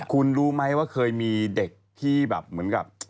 คุณรู้ไหมว่าเคยมีเด็กที่แบบเหมือนกับ